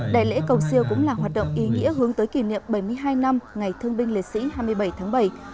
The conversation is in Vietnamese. đại lễ cầu siêu cũng là hoạt động ý nghĩa hướng tới kỷ niệm bảy mươi hai năm ngày thương binh liệt sĩ hai mươi bảy tháng bảy